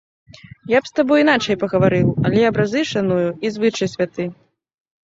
Я б з табой іначай пагаварыў, але абразы шаную і звычай святы.